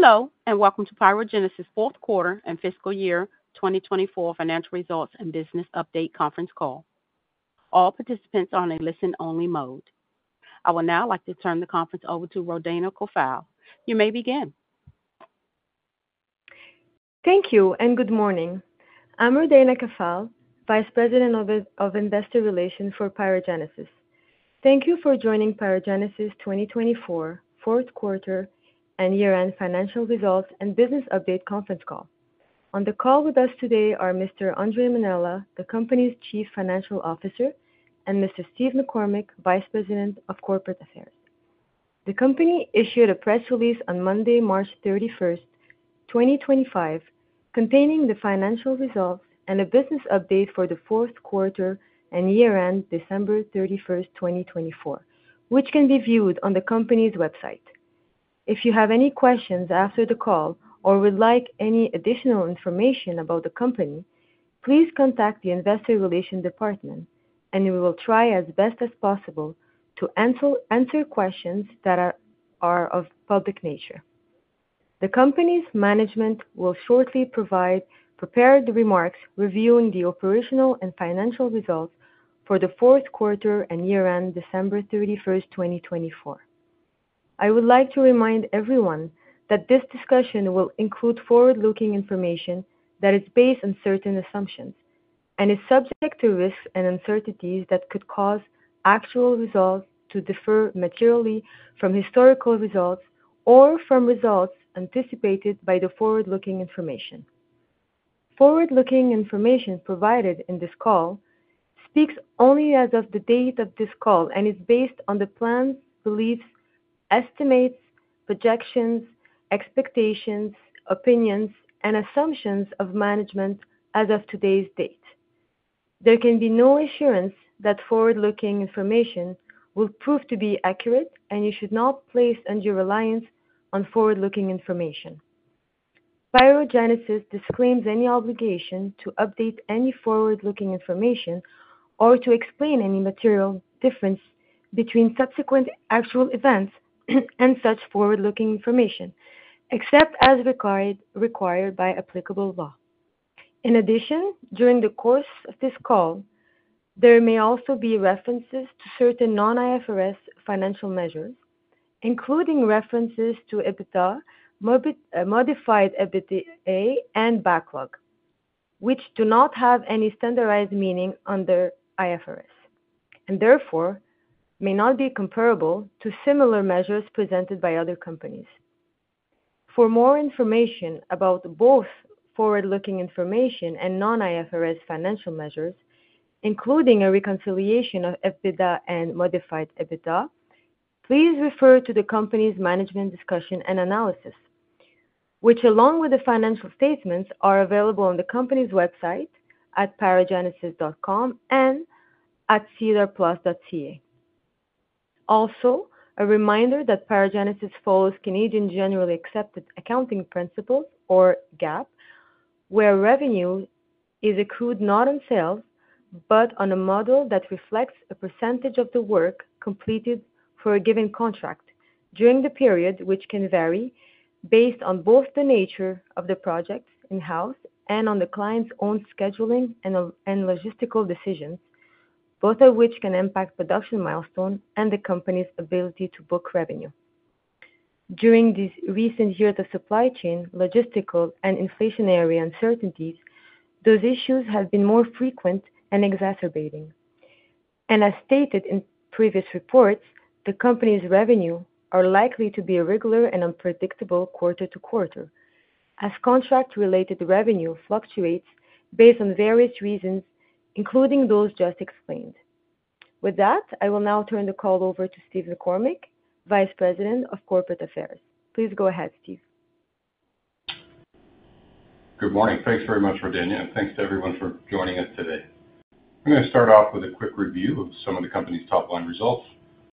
Hello, and welcome to PyroGenesis Fourth Quarter and Fiscal Year 2024 Financial Results and Business Update Conference Call. All participants are on a listen-only mode. I would now like to turn the conference over to Rodayna Kafal. You may begin. Thank you, and good morning. I'm Rodayna Kafal, Vice President of Investor Relations for PyroGenesis. Thank you for joining PyroGenesis 2024 Fourth Quarter and Year-End Financial Results and Business Update Conference Call. On the call with us today are Mr. Andre Mainella, the company's Chief Financial Officer, and Mr. Steve McCormick, Vice President of Corporate Affairs. The company issued a press release on Monday, March 31, 2025, containing the financial results and a business update for the fourth quarter and year-end December 31, 2024, which can be viewed on the company's website. If you have any questions after the call or would like any additional information about the company, please contact the Investor Relations Department, and we will try as best as possible to answer questions that are of public nature. The company's management will shortly provide prepared remarks reviewing the operational and financial results for the fourth quarter and year-end December 31, 2024. I would like to remind everyone that this discussion will include forward-looking information that is based on certain assumptions and is subject to risks and uncertainties that could cause actual results to differ materially from historical results or from results anticipated by the forward-looking information. Forward-looking information provided in this call speaks only as of the date of this call and is based on the plans, beliefs, estimates, projections, expectations, opinions, and assumptions of management as of today's date. There can be no assurance that forward-looking information will prove to be accurate, and you should not place your reliance on forward-looking information. PyroGenesis disclaims any obligation to update any forward-looking information or to explain any material difference between subsequent actual events and such forward-looking information, except as required by applicable law. In addition, during the course of this call, there may also be references to certain non-IFRS financial measures, including references to EBITDA, Modified EBITDA, and Backlog, which do not have any standardized meaning under IFRS and therefore may not be comparable to similar measures presented by other companies. For more information about both forward-looking information and non-IFRS financial measures, including a reconciliation of EBITDA and Modified EBITDA, please refer to the company's management discussion and analysis, which, along with the financial statements, are available on the company's website at pyrogenesis.com and at sedarplus.ca. Also, a reminder that PyroGenesis follows Canadian Generally Accepted Accounting Principles, or GAAP, where revenue is accrued not on sales but on a model that reflects a percentage of the work completed for a given contract during the period, which can vary based on both the nature of the project in-house and on the client's own scheduling and logistical decisions, both of which can impact production milestones and the company's ability to book revenue. During these recent years of supply chain, logistical, and inflationary uncertainties, those issues have been more frequent and exacerbating. As stated in previous reports, the company's revenues are likely to be irregular and unpredictable quarter to quarter, as contract-related revenue fluctuates based on various reasons, including those just explained. With that, I will now turn the call over to Steve McCormick, Vice President of Corporate Affairs. Please go ahead, Steve. Good morning. Thanks very much, Rodayna, and thanks to everyone for joining us today. I'm going to start off with a quick review of some of the company's top-line results,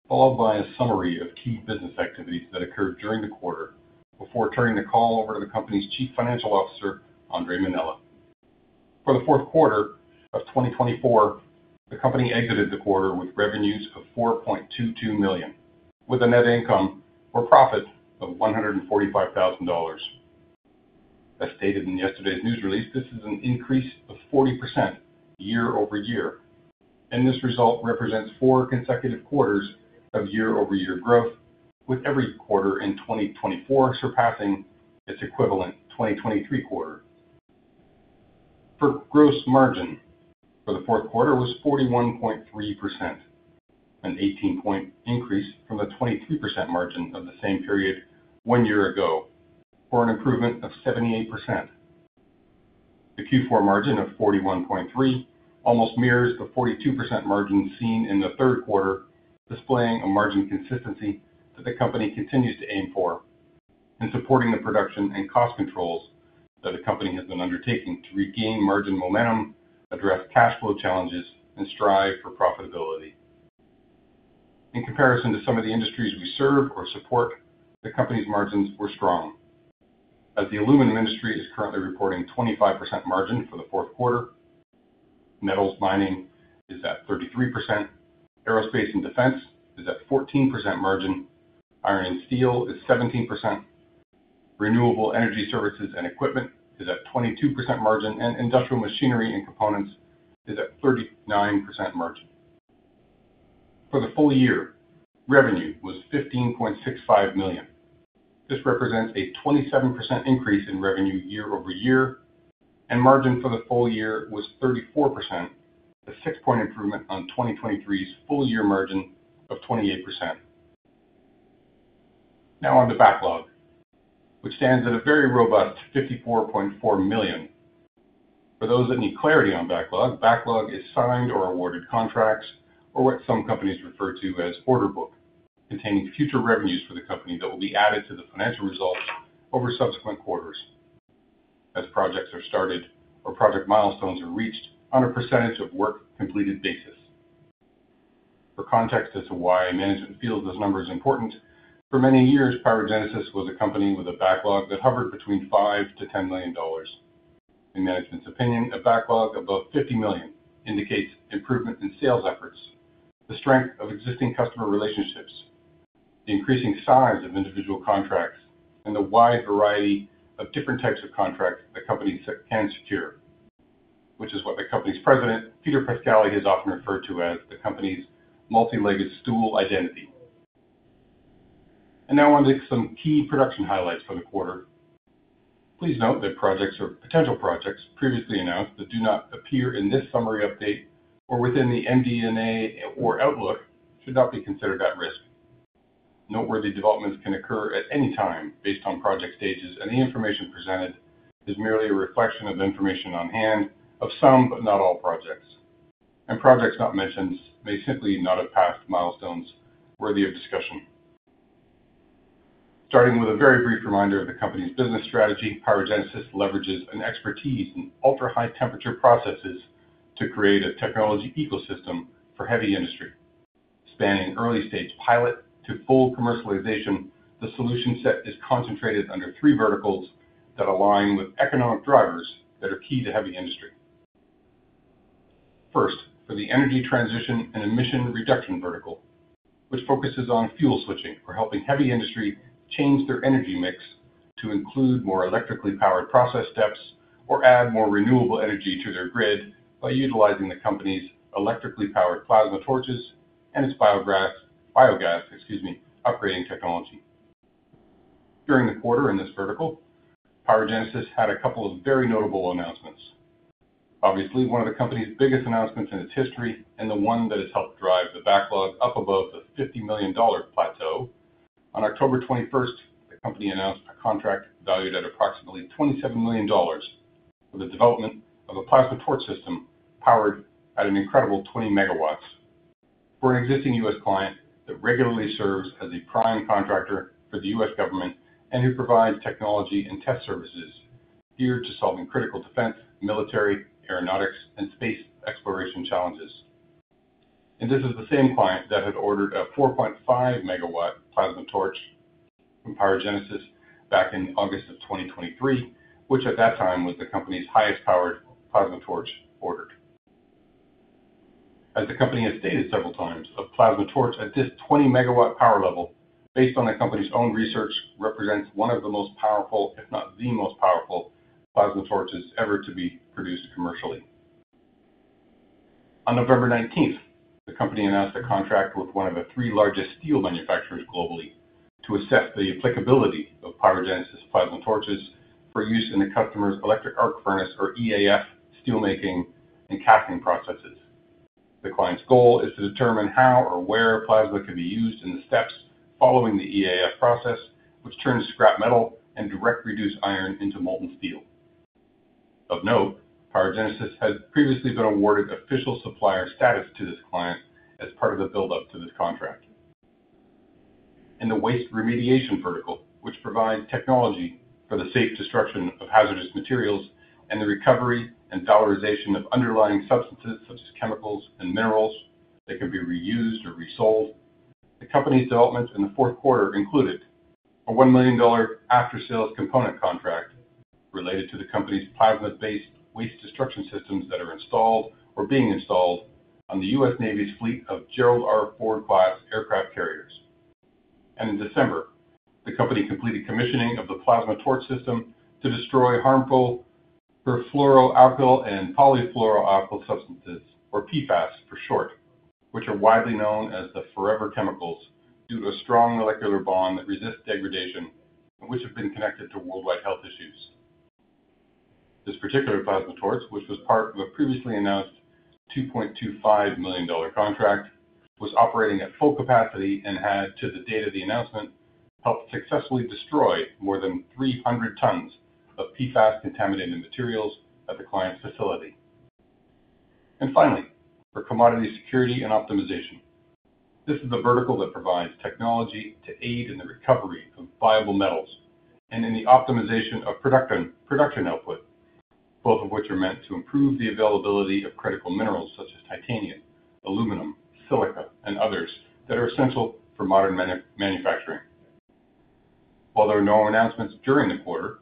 followed by a summary of key business activities that occurred during the quarter, before turning the call over to the company's Chief Financial Officer, Andre Mainella. For the fourth quarter of 2024, the company exited the quarter with revenues of 4.22 million, with a net income or profit of 145,000 dollars. As stated in yesterday's news release, this is an increase of 40% year over year, and this result represents four consecutive quarters of year-over-year growth, with every quarter in 2024 surpassing its equivalent 2023 quarter. For gross margin for the fourth quarter, it was 41.3%, an 18 percentage point increase from the 23% margin of the same period one year ago, for an improvement of 78%. The Q4 margin of 41.3% almost mirrors the 42% margin seen in the third quarter, displaying a margin consistency that the company continues to aim for, and supporting the production and cost controls that the company has been undertaking to regain margin momentum, address cash flow challenges, and strive for profitability. In comparison to some of the industries we serve or support, the company's margins were strong, as the aluminum industry is currently reporting a 25% margin for the fourth quarter. Metals mining is at 33%. Aerospace and defense is at a 14% margin. Iron and steel is at 17%. Renewable energy services and equipment is at a 22% margin, and industrial machinery and components is at a 39% margin. For the full year, revenue was 15.65 million. This represents a 27% increase in revenue year over year, and margin for the full year was 34%, a six-point improvement on 2023's full-year margin of 28%. Now on to Backlog, which stands at a very robust $54.4 million. For those that need clarity on Backlog, Backlog is signed or awarded contracts, or what some companies refer to as order book, containing future revenues for the company that will be added to the financial results over subsequent quarters, as projects are started or project milestones are reached on a percentage of work completed basis. For context as to why management feels this number is important, for many years, PyroGenesis was a company with a Backlog that hovered between $5-$10 million. In management's opinion, a Backlog above $50 million indicates improvement in sales efforts, the strength of existing customer relationships, the increasing size of individual contracts, and the wide variety of different types of contracts the company can secure, which is what the company's President, Peter Pascali, has often referred to as the company's multi-legged stool identity. Now on to some key production highlights for the quarter. Please note that projects or potential projects previously announced that do not appear in this summary update or within the MD&A or Outlook should not be considered at risk. Noteworthy developments can occur at any time based on project stages, and the information presented is merely a reflection of information on hand of some, but not all projects, and projects not mentioned may simply not have passed milestones worthy of discussion. Starting with a very brief reminder of the company's business strategy, PyroGenesis leverages an expertise in ultra-high temperature processes to create a technology ecosystem for heavy industry. Spanning early-stage pilot to full commercialization, the solution set is concentrated under three verticals that align with economic drivers that are key to heavy industry. First, for the energy transition and emission reduction vertical, which focuses on fuel switching or helping heavy industry change their energy mix to include more electrically powered process steps or add more renewable energy to their grid by utilizing the company's electrically powered plasma torches and its biogas upgrading technology. During the quarter in this vertical, PyroGenesis had a couple of very notable announcements. Obviously, one of the company's biggest announcements in its history and the one that has helped drive the Backlog up above the $50 million plateau, on October 21, the company announced a contract valued at approximately $27 million for the development of a plasma torch system powered at an incredible 20 megawatts for an existing U.S. client that regularly serves as a prime contractor for the U.S. government and who provides technology and test services geared to solving critical defense, military, aeronautics, and space exploration challenges. This is the same client that had ordered a 4.5-megawatt plasma torch from PyroGenesis back in August of 2023, which at that time was the company's highest-powered plasma torch ordered. As the company has stated several times, a plasma torch at this 20-megawatt power level, based on the company's own research, represents one of the most powerful, if not the most powerful, plasma torches ever to be produced commercially. On November 19th, the company announced a contract with one of the three largest steel manufacturers globally to assess the applicability of PyroGenesis plasma torches for use in the customer's electric arc furnace, or EAF, steelmaking and casting processes. The client's goal is to determine how or where plasma can be used in the steps following the EAF process, which turns scrap metal and directly reduces iron into molten steel. Of note, PyroGenesis had previously been awarded official supplier status to this client as part of the build-up to this contract. In the waste remediation vertical, which provides technology for the safe destruction of hazardous materials and the recovery and dollarization of underlying substances such as chemicals and minerals that can be reused or resold, the company's development in the fourth quarter included a $1 million after-sales component contract related to the company's plasma-based waste destruction systems that are installed or being installed on the U.S. Navy's fleet of Gerald R. Ford-class aircraft carriers. In December, the company completed commissioning of the plasma torch system to destroy harmful perfluoroalkyl and polyfluoroalkyl substances, or PFAS for short, which are widely known as the forever chemicals due to a strong molecular bond that resists degradation and which have been connected to worldwide health issues. This particular plasma torch, which was part of a previously announced $2.25 million contract, was operating at full capacity and had, to the date of the announcement, helped successfully destroy more than 300 tons of PFAS-contaminated materials at the client's facility. For commodity security and optimization, this is the vertical that provides technology to aid in the recovery of viable metals and in the optimization of production output, both of which are meant to improve the availability of critical minerals such as titanium, aluminum, silica, and others that are essential for modern manufacturing. While there were no announcements during the quarter,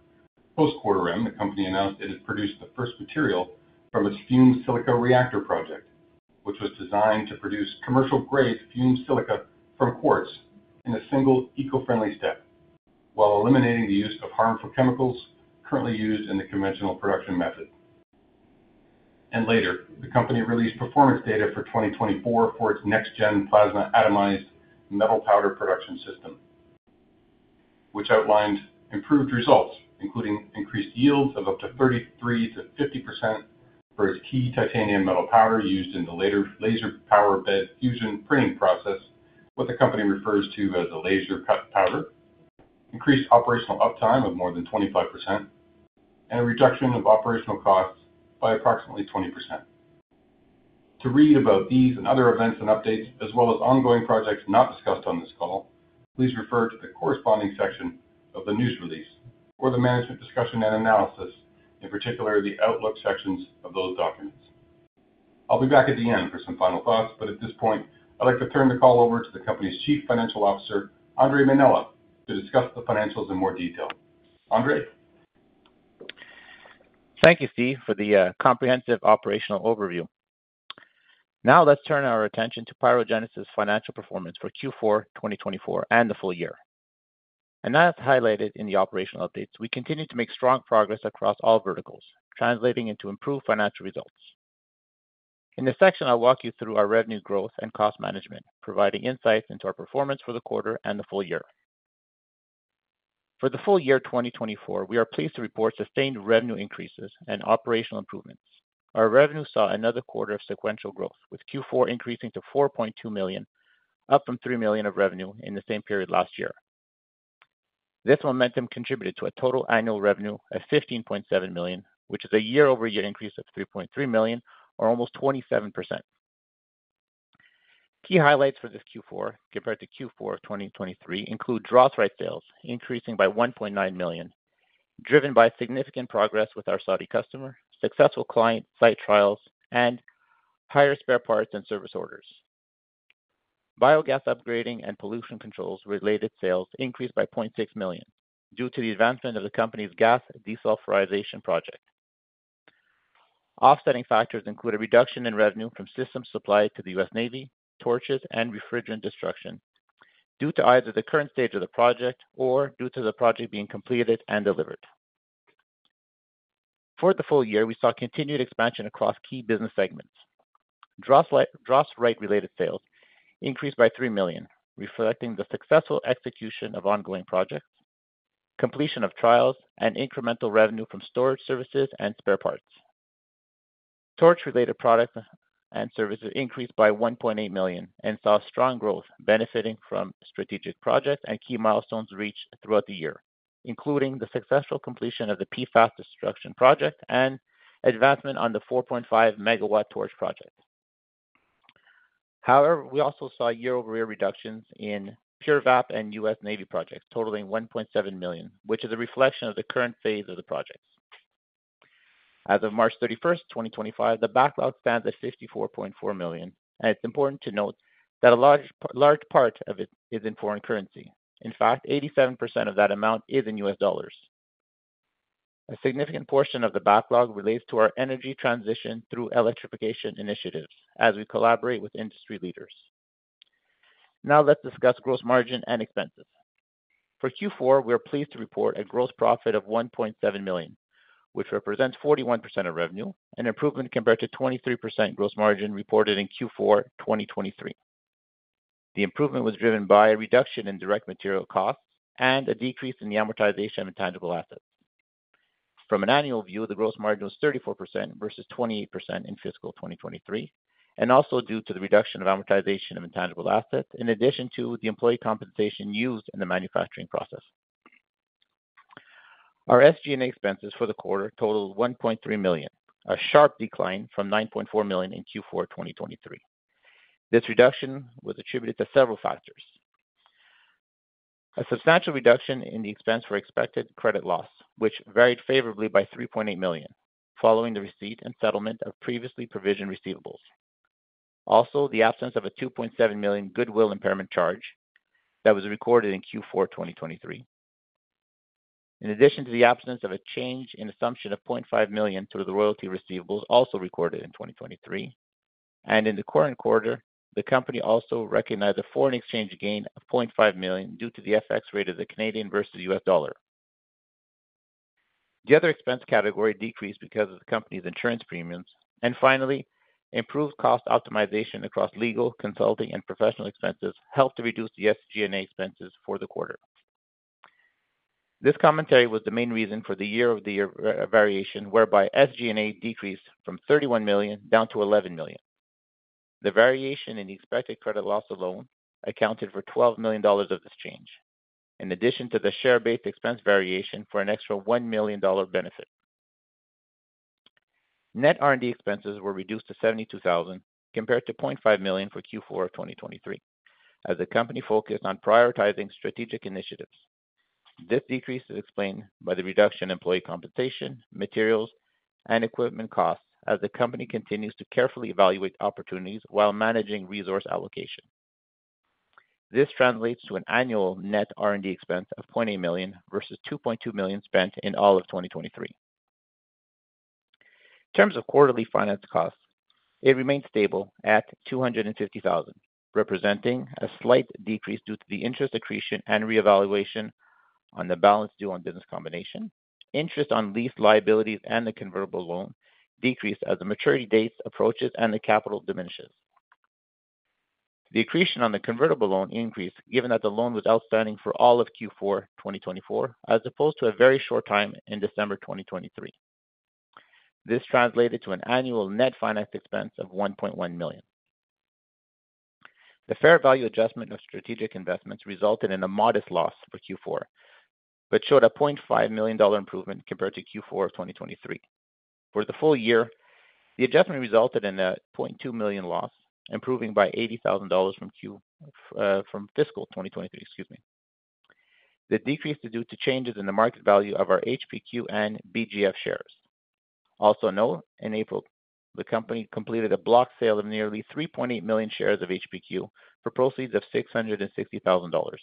post-quarter end, the company announced it had produced the first material from its fumed silica reactor project, which was designed to produce commercial-grade fumed silica from quartz in a single eco-friendly step, while eliminating the use of harmful chemicals currently used in the conventional production method. Later, the company released performance data for 2024 for its next-gen plasma atomized metal powder production system, which outlined improved results, including increased yields of up to 33-50% for its key titanium metal powder used in the later laser powder bed fusion printing process, what the company refers to as the laser-cut powder, increased operational uptime of more than 25%, and a reduction of operational costs by approximately 20%. To read about these and other events and updates, as well as ongoing projects not discussed on this call, please refer to the corresponding section of the news release or the management discussion and analysis, in particular the Outlook sections of those documents. I'll be back at the end for some final thoughts, but at this point, I'd like to turn the call over to the company's Chief Financial Officer, Andre Mainella, to discuss the financials in more detail. Andre? Thank you, Steve, for the comprehensive operational overview. Now let's turn our attention to PyroGenesis's financial performance for Q4 2024 and the full year. As highlighted in the operational updates, we continue to make strong progress across all verticals, translating into improved financial results. In this section, I'll walk you through our revenue growth and cost management, providing insights into our performance for the quarter and the full year. For the full year 2024, we are pleased to report sustained revenue increases and operational improvements. Our revenue saw another quarter of sequential growth, with Q4 increasing to $4.2 million, up from $3 million of revenue in the same period last year. This momentum contributed to a total annual revenue of $15.7 million, which is a year-over-year increase of $3.3 million, or almost 27%. Key highlights for this Q4 compared to Q4 2023 include DROSRITE sales increasing by $1.9 million, driven by significant progress with our Saudi customer, successful client-site trials, and higher spare parts and service orders. Biogas upgrading and pollution controls-related sales increased by $0.6 million due to the advancement of the company's gas desulphurization project. Offsetting factors include a reduction in revenue from systems supplied to the U.S. Navy, torches, and refrigerant destruction due to either the current stage of the project or due to the project being completed and delivered. For the full year, we saw continued expansion across key business segments. DROSRITE-related sales increased by $3 million, reflecting the successful execution of ongoing projects, completion of trials, and incremental revenue from storage services and spare parts. Torch-related products and services increased by $1.8 million and saw strong growth, benefiting from strategic projects and key milestones reached throughout the year, including the successful completion of the PFAS destruction project and advancement on the 4.5-megawatt torch project. However, we also saw year-over-year reductions in PureVap and U.S. Navy projects, totaling $1.7 million, which is a reflection of the current phase of the projects. As of March 31, 2025, the backlog stands at $54.4 million, and it's important to note that a large part of it is in foreign currency. In fact, 87% of that amount is in U.S. dollars. A significant portion of the backlog relates to our energy transition through electrification initiatives as we collaborate with industry leaders. Now let's discuss gross margin and expenses. For Q4, we are pleased to report a gross profit of $1.7 million, which represents 41% of revenue, an improvement compared to 23% gross margin reported in Q4 2023. The improvement was driven by a reduction in direct material costs and a decrease in the amortization of intangible assets. From an annual view, the gross margin was 34% versus 28% in fiscal 2023, and also due to the reduction of amortization of intangible assets, in addition to the employee compensation used in the manufacturing process. Our SG&A expenses for the quarter totaled $1.3 million, a sharp decline from $9.4 million in Q4 2023. This reduction was attributed to several factors. A substantial reduction in the expense for expected credit loss, which varied favorably by $3.8 million, following the receipt and settlement of previously provisioned receivables. Also, the absence of a $2.7 million goodwill impairment charge that was recorded in Q4 2023. In addition to the absence of a change in assumption of $0.5 million to the royalty receivables, also recorded in 2023. In the current quarter, the company also recognized a foreign exchange gain of $0.5 million due to the FX rate of the Canadian versus the U.S. dollar. The other expense category decreased because of the company's insurance premiums. Finally, improved cost optimization across legal, consulting, and professional expenses helped to reduce the SG&A expenses for the quarter. This commentary was the main reason for the year-over-year variation, whereby SG&A decreased from $31 million down to $11 million. The variation in the expected credit loss alone accounted for $12 million of this change, in addition to the share-based expense variation for an extra $1 million benefit. Net R&D expenses were reduced to $72,000 compared to $500,000 for Q4 2023, as the company focused on prioritizing strategic initiatives. This decrease is explained by the reduction in employee compensation, materials, and equipment costs, as the company continues to carefully evaluate opportunities while managing resource allocation. This translates to an annual net R&D expense of $800,000 versus $2.2 million spent in all of 2023. In terms of quarterly finance costs, it remained stable at $250,000, representing a slight decrease due to the interest accretion and reevaluation on the balance due on business combination. Interest on lease liabilities and the convertible loan decreased as the maturity dates approached and the capital diminished. The accretion on the convertible loan increased given that the loan was outstanding for all of Q4 2024, as opposed to a very short time in December 2023. This translated to an annual net finance expense of $1.1 million. The fair value adjustment of strategic investments resulted in a modest loss for Q4, but showed a $0.5 million improvement compared to Q4 of 2023. For the full year, the adjustment resulted in a $0.2 million loss, improving by $80,000 from fiscal 2023. The decrease is due to changes in the market value of our HPQ and BGF shares. Also note, in April, the company completed a block sale of nearly 3.8 million shares of HPQ for proceeds of $660,000.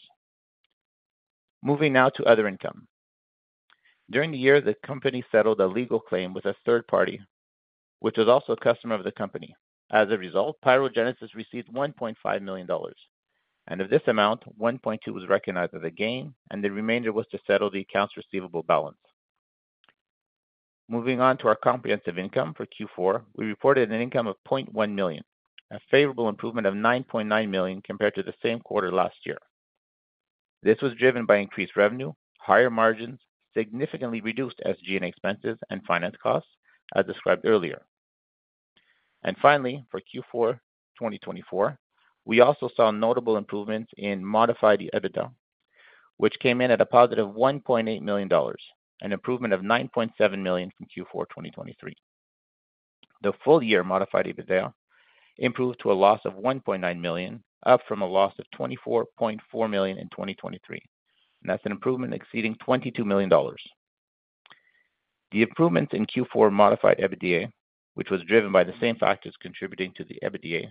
Moving now to other income. During the year, the company settled a legal claim with a third party, which was also a customer of the company. As a result, PyroGenesis received $1.5 million. Of this amount, $1.2 million was recognized as a gain, and the remainder was to settle the accounts receivable balance. Moving on to our comprehensive income for Q4, we reported an income of $0.1 million, a favorable improvement of $9.9 million compared to the same quarter last year. This was driven by increased revenue, higher margins, significantly reduced SG&A expenses, and finance costs, as described earlier. For Q4 2024, we also saw notable improvements in modified EBITDA, which came in at a positive $1.8 million, an improvement of $9.7 million from Q4 2023. The full-year modified EBITDA improved to a loss of $1.9 million, up from a loss of $24.4 million in 2023. That is an improvement exceeding $22 million. The improvements in Q4 modified EBITDA, which was driven by the same factors contributing to the EBITDA,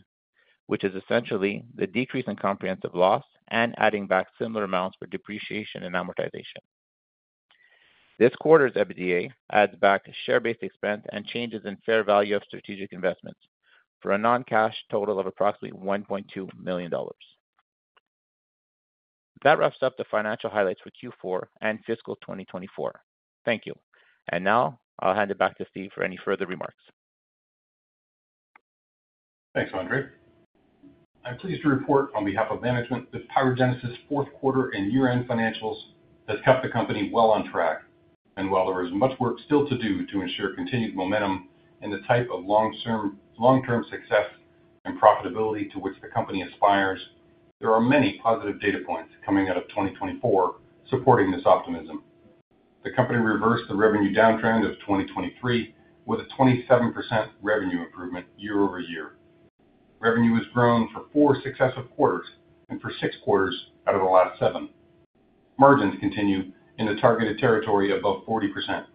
which is essentially the decrease in comprehensive loss and adding back similar amounts for depreciation and amortization. This quarter's EBITDA adds back share-based expense and changes in fair value of strategic investments for a non-cash total of approximately $1.2 million. That wraps up the financial highlights for Q4 and fiscal 2024. Thank you. I will hand it back to Steve for any further remarks. Thanks, Andre. I'm pleased to report on behalf of management that PyroGenesis's fourth quarter and year-end financials have kept the company well on track. While there is much work still to do to ensure continued momentum and the type of long-term success and profitability to which the company aspires, there are many positive data points coming out of 2024 supporting this optimism. The company reversed the revenue downtrend of 2023 with a 27% revenue improvement year-over-year. Revenue has grown for four successive quarters and for six quarters out of the last seven. Margins continue in the targeted territory above 40%.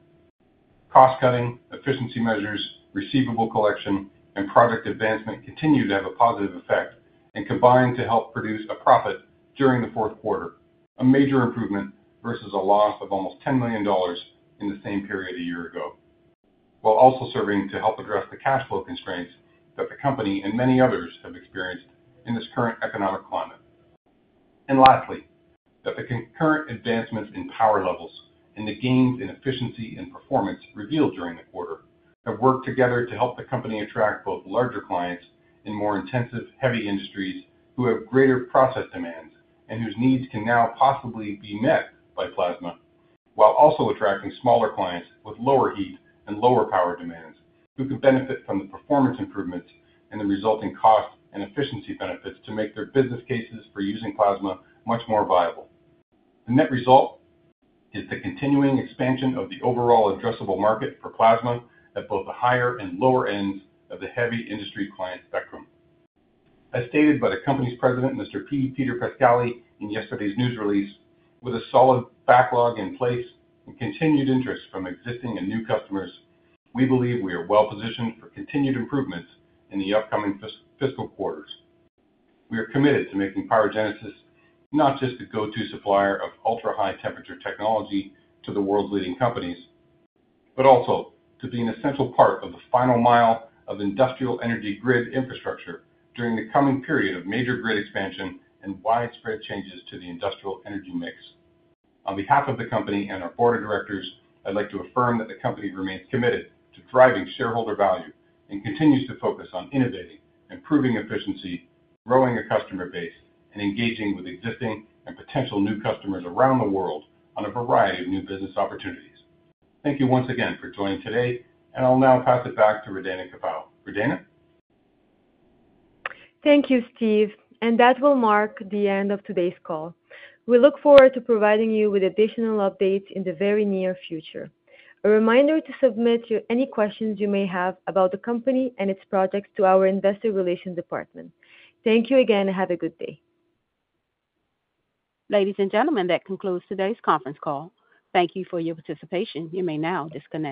Cost-cutting, efficiency measures, receivable collection, and project advancement continue to have a positive effect and combine to help produce a profit during the fourth quarter, a major improvement versus a loss of almost $10 million in the same period a year ago, while also serving to help address the cash flow constraints that the company and many others have experienced in this current economic climate. Lastly, the concurrent advancements in power levels and the gains in efficiency and performance revealed during the quarter have worked together to help the company attract both larger clients in more intensive, heavy industries who have greater process demands and whose needs can now possibly be met by plasma, while also attracting smaller clients with lower heat and lower power demands who can benefit from the performance improvements and the resulting cost and efficiency benefits to make their business cases for using plasma much more viable. The net result is the continuing expansion of the overall addressable market for plasma at both the higher and lower ends of the heavy industry client spectrum. As stated by the company's President, Mr. Peter Pascali, in yesterday's news release, with a solid backlog in place and continued interest from existing and new customers, we believe we are well positioned for continued improvements in the upcoming fiscal quarters. We are committed to making PyroGenesis not just the go-to supplier of ultra-high temperature technology to the world's leading companies, but also to be an essential part of the final mile of industrial energy grid infrastructure during the coming period of major grid expansion and widespread changes to the industrial energy mix. On behalf of the company and our board of directors, I'd like to affirm that the company remains committed to driving shareholder value and continues to focus on innovating, improving efficiency, growing a customer base, and engaging with existing and potential new customers around the world on a variety of new business opportunities. Thank you once again for joining today, and I'll now pass it back to Rodayna Kafal. Rodayna? Thank you, Steve. That will mark the end of today's call. We look forward to providing you with additional updates in the very near future. A reminder to submit any questions you may have about the company and its projects to our investor relations department. Thank you again, and have a good day. Ladies and gentlemen, that concludes today's conference call. Thank you for your participation. You may now disconnect.